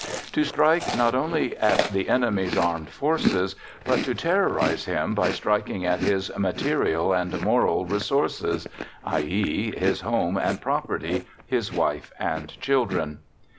To strike not only at the enemy's armed forces, but to terrorise him by striking at his "material and moral resources," i. e. his home and property, his wife and children.